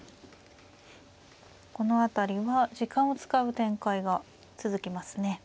この辺りは時間を使う展開が続きますね。